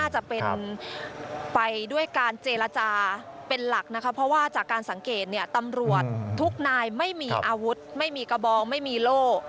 จากการสังเกตนี่ตำรวจทุกนายไม่มีอาวุธไม่มีกระบองไม่มีโล่